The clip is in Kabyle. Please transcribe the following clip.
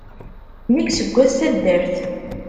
Nekk seg wayt taddart.